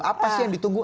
apa sih yang ditunggu